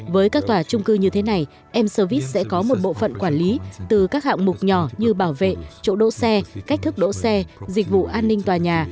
với các tòa trung cư như thế này m service sẽ có một bộ phận quản lý từ các hạng mục nhỏ như bảo vệ chỗ đỗ xe cách thức đỗ xe dịch vụ an ninh tòa nhà